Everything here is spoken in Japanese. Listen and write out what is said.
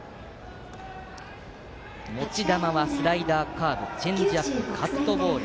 持ち球は、スライダーカーブ、チェンジアップカットボール